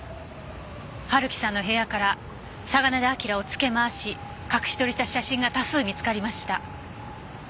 春樹さんの部屋から嵯峨根田輝をつけ回し隠し撮りした写真が多数見つかりました。